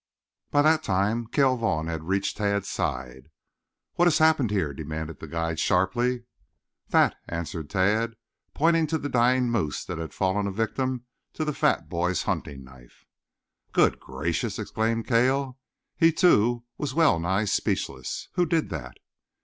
By that time Cale Vaughn had reached Tad's side. "What has happened here?" demanded the guide sharply. "That," answered Tad, pointing to the dying moose that had fallen a victim to the fat boy's hunting knife. "Good gracious!" exclaimed Cale. He, too, was well nigh speechless. "Who did that?"